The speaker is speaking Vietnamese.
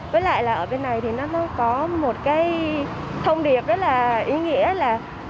với lại là ở bên này thì nó mới có một cái thông điệp rất là ý nghĩa là